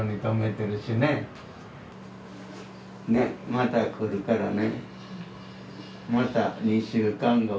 また来るからね。